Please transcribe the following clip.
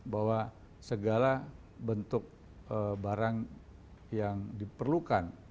bahwa segala bentuk barang yang diperlukan